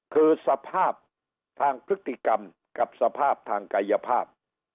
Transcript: คือสภาพทางพฤติกรรมกับสภาพทางกายภาพ